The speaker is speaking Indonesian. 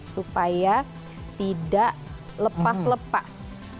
supaya tidak lepas lepas